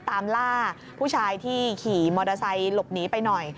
ตามล่าผู้ชายที่ขี่มอเตอร์ไซค์หลบหนีไปหน่อย